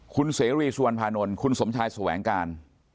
คุณเสรีสุวรรณภานนท์คุณสมชายแสวงการ